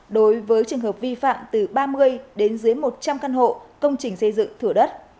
đối với trường hợp vi phạm từ ba mươi đến dưới một trăm linh căn hộ công trình xây dựng thửa đất